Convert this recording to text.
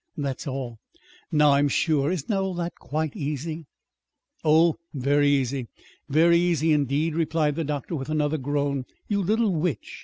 That's all. Now, I'm sure isn't all that quite easy?" "Oh, very easy, very easy, indeed!" replied the doctor, with another groan. "You little witch!